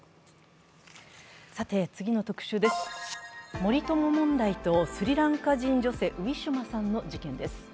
森友問題とスリランカ人女性、ウィシュマさんの事件です。